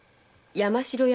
山城屋。